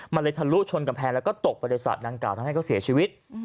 มันเลยทะลุชนกำแพงแล้วก็ตกไปในสระดังกล่าทำให้เขาเสียชีวิต